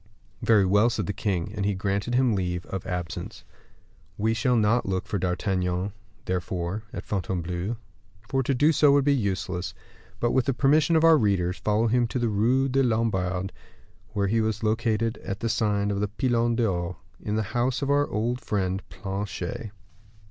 "Very well," said the king, and he granted him leave of absence. We shall not look for D'Artagnan, therefore, at Fontainebleau, for to do so would be useless; but, with the permission of our readers, follow him to the Rue des Lombards, where he was located at the sign of the Pilon d'Or, in the house of our old friend Planchet.